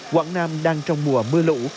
quảng nam đang trong mùa mưa lụ